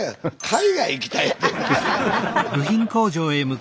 海外行きたいって。